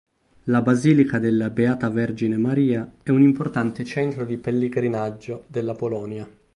La basilica della Beata Vergine Maria è un importante centro di pellegrinaggio della Polonia.